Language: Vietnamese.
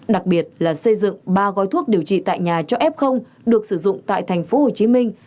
đặc biệt là xây dựng ba gói thuốc điều trị tại nhà cho f được sử dụng tại thành phố hồ chí minh